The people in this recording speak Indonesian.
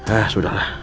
eh sudah lah